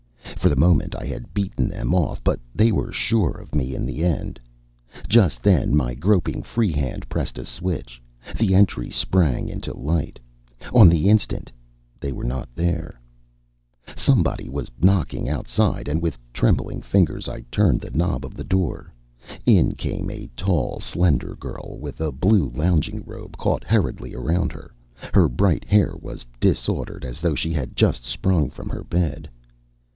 For the moment I had beaten them off, but they were sure of me in the end. Just then my groping free hand pressed a switch. The entry sprang into light. On the instant they were not there. Somebody was knocking outside, and with trembling fingers I turned the knob of the door. In came a tall, slender girl with a blue lounging robe caught hurriedly around her. Her bright hair was disordered as though she had just sprung from her bed.